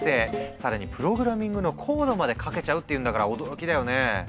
更にプログラミングのコードまで書けちゃうっていうんだから驚きだよね。